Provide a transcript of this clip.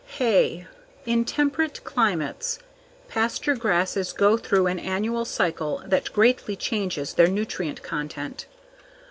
Hay. In temperate climates, pasture grasses go through an annual cycle that greatly changes their nutrient content.